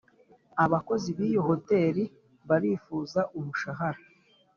abakozi b’iyo hotel barifuza umushahara